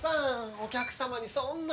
お客様にそんな。